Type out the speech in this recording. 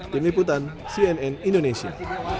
tim liputan cnn indonesia